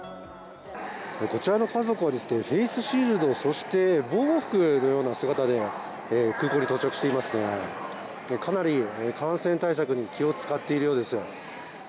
こちらの家族はフェイスシールド、そして防護服のような姿で空港に到着していますがかなり感染対策に気を遣っているようです。